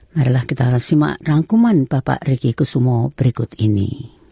marilah kita simak rangkuman bapak ricky kusumo berikut ini